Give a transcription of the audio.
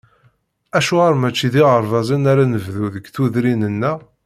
Acuɣer mačči d iɣerbazen ara nbennu deg tudrin-nneɣ?